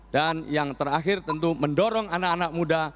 dan yang terakhir tentu mendorong anak anak muda